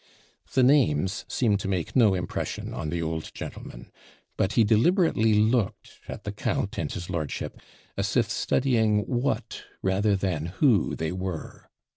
The names seemed to make no impression on the old gentleman; but he deliberately looked at the count and his lordship, as if studying WHAT rather than WHO they were.